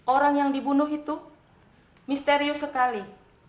orang yang dibunuh itu misterius sekali